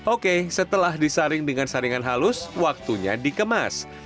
oke setelah disaring dengan saringan halus waktunya dikemas